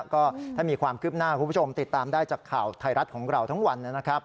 ก็ถ้ามีความคืบหน้าคุณผู้ชมติดตามได้จากข่าวไทยรัฐของเราทั้งวันนะครับ